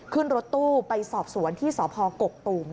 ขึ้นรถตู้ไปสอบสวนที่สพกกตูม